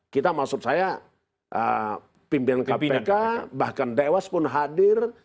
kita maksud saya pimpinan kpk bahkan dewas pun hadir